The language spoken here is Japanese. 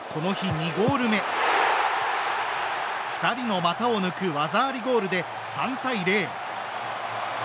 ２人の股を抜く技ありゴールで３対０。